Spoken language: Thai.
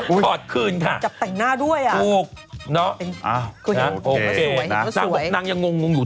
โอ๊ยจับแต่งหน้าด้วยนะโอเคนางอย่างงงงอยู่